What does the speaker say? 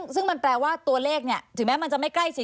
ซึ่งมันแปลว่าตัวเลขถึงแม้มันจะไม่ใกล้ชิด